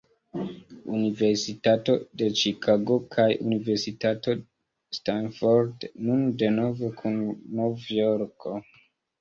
Universitato de Ĉikago kaj Universitato Stanford, nun denove kun Nov-Jorko.